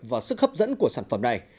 và sức hấp dẫn của sản phẩm này